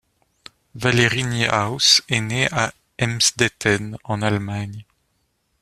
Valerie Niehaus est née à Emsdetten en Allemagne.